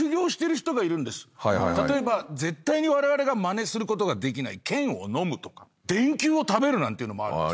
例えば絶対にわれわれがまねすることができない剣をのむとか電球を食べるなんていうのもあるんです。